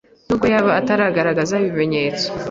nubwo yaba ataragaragaza ibimenyetso